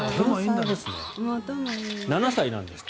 ７歳なんですって。